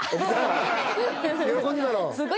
喜んでたろ？